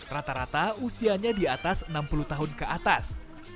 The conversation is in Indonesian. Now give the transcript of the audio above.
rata rata usianya di atas enam puluh tahun ke atas